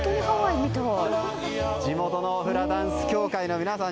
地元のフラダンス協会の皆さん